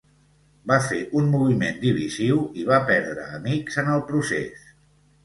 Va fer un moviment divisiu i va perdre amics en el procés.